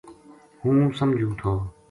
ہوں سمجھوں تھو